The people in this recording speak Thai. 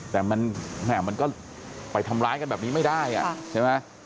แต่มันก็ไปทำร้ายกันแบบนี้ไม่ได้ใช่ไหม